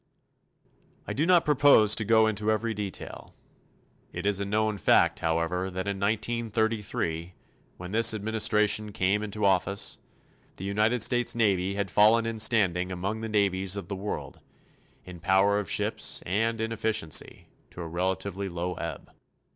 I do not propose to go into every detail. It is a known fact, however, that in 1933, when this administration came into office, the United States Navy had fallen in standing among the navies of the world, in power of ships and in efficiency, to a relatively low ebb.